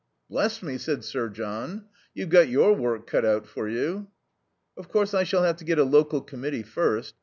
"Bless me," said Sir John, "you've got your work cut out for you." "Of course I shall have to get a local committee first.